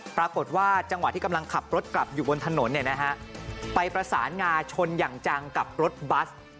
ปรากฏว่าจังหวะที่กำลังขับรถกลับอยู่บนถนนไปประสานงาชนอย่างจังกับรถบัส